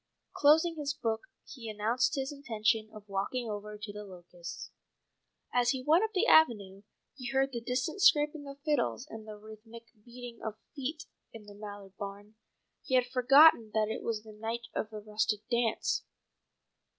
Closing his book he announced his intention of walking over to The Locusts. As he went up the avenue he heard the distant scraping of fiddles and the rhythmic beating of feet in the Mallard barn. He had forgotten that it was the night of the rustic dance.